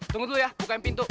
tunggu tuh ya bukain pintu